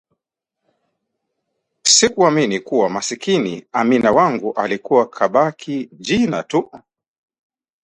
Sikuamini kuwa maskini Amina wangu alikuwa kabaki jina tu